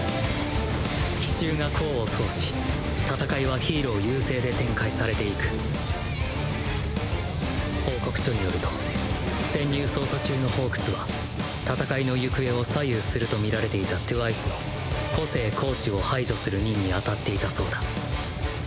奇襲が功を奏し戦いはヒーロー優勢で展開されていく報告書によると潜入捜査中のホークスは戦いの行方を左右すると見られていたトゥワイスの個性行使を排除する任にあたっていたそうだ